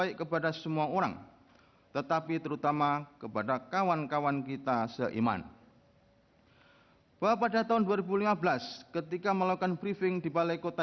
kepulauan seribu kepulauan seribu